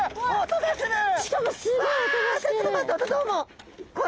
しかもすごい音がしてる！